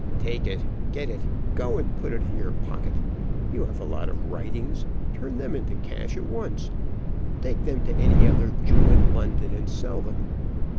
"Take it, get it; go and put it in your pocket. You have a lot of writings; turn then into cash at once. Take them to any other Jew in London and sell them.